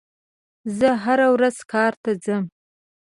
زه هره ورځ کار ته ځم.